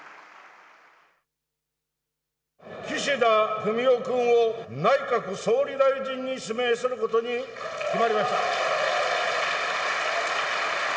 岸田文雄君を内閣総理大臣に指名することに決まりました。